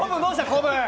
子分！